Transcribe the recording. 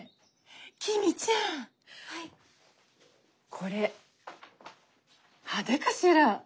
これ派手かしら？